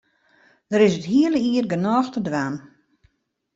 Der is it hiele jier genôch te dwaan.